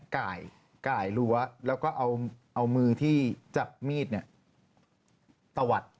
กลัวเท้าเนี่ยก่ายรั้วแล้วก็เอามือที่จับมีดเนี่ยตะวัด